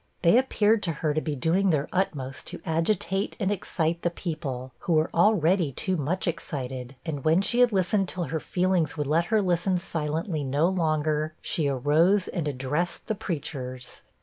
They appeared to her to be doing their utmost to agitate and excite the people, who were already too much excited; and when she had listened till her feelings would let her listen silently no longer, she arose and addressed the preachers.